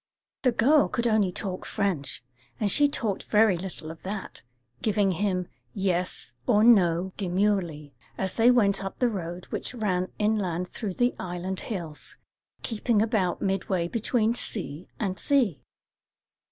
The girl could only talk French, and she talked very little of that, giving him "yes" or "no" demurely, as they went up the road which ran inland through the island hills, keeping about midway between sea and sea.